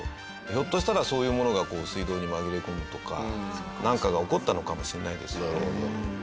ひょっとしたらそういうものがこう水道に紛れ込むとかなんかが起こったのかもしれないですよね。